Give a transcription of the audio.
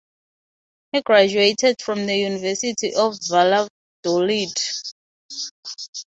He graduated from the University of Valladolid.